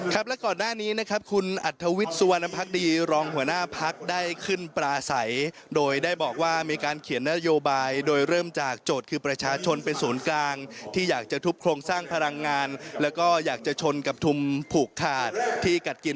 ครับและก่อนหน้านี้นะครับคุณอัธวิทย์สุวรรณภักดีรองหัวหน้าพักได้ขึ้นปลาใสโดยได้บอกว่ามีการเขียนนโยบายโดยเริ่มจากโจทย์คือประชาชนเป็นศูนย์กลางที่อยากจะทุบโครงสร้างพลังงานแล้วก็อยากจะชนกับทุมผูกขาดที่กัดกิน